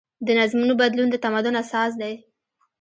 د نظمونو بدلون د تمدن اساس دی.